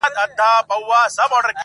یو مي زړه نه دی چي تا باندي فِدا دی,